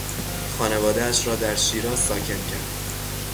خانوادهاش را در شیراز ساکن کرد.